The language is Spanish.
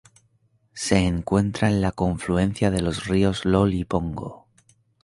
Se encuentra en la confluencia de los ríos Lol y Pongo.